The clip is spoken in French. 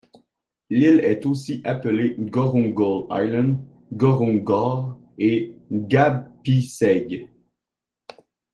L'île est aussi appelée Ngorungol Island, Ngorungor et Ngadpiseg.